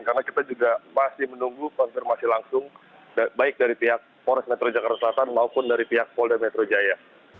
karena kita juga masih menunggu konfirmasi langsung baik dari pihak polis metro jakarta selatan maupun dari pihak polda metro jaya